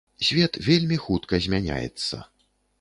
Свет вельмі хутка змяняецца.